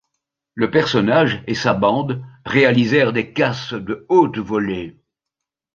Le personnage et sa bande réalisèrent des casses de haute volée.